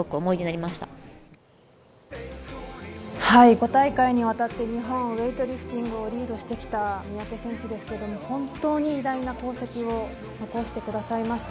５大会にわたって日本ウエイトリフティングをリードしてきた三宅選手ですけど本当に偉大な功績を残してくださいました。